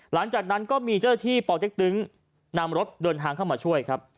หลังจากนั้นก็มีเจ้าหน้าที่ปเต็กตึงนำรถเดินทางเข้ามาช่วยครับ